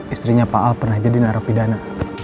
istrinya pak al pernah jadi narapidana